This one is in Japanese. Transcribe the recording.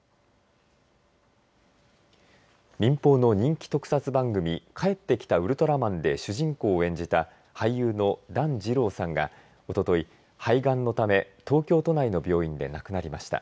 民放の人気特撮番組、帰ってきたウルトラマンで主人公を演じた俳優の団時朗さんがおととい肺がんのため東京都内の病院で亡くなりました。